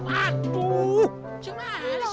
aduh cuman sih